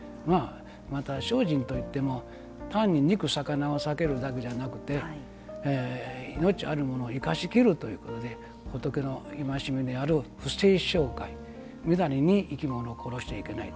また、精進といっても単に肉や魚を避けるだけではなくて命あるものを生かしきるということで仏の戒めである不殺生戒みだりに生き物を殺しちゃいけない。